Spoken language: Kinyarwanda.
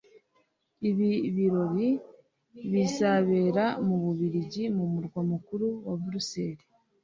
Ibi birori bizabera mu Bubiligi mu murwa mukuru wa Buruseli